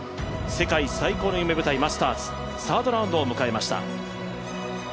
世界最高の夢舞台、マスターズサードラウンドを迎えました。